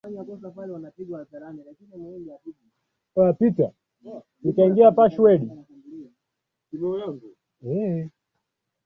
ikiwa ni mara ya kwanza tangu kutokea kwa hali kama hiyo